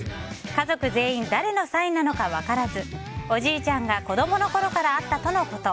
家族全員誰のサインなのか分からずおじいちゃんが子供のころからあったとのこと。